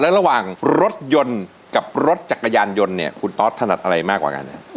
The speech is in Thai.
ระหว่างรถยนต์กับรถจักรยานยนต์เนี่ยคุณตอสถนัดอะไรมากกว่ากัน